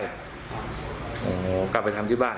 เอ๊าเฮอะกลับไปทำที่บ้าน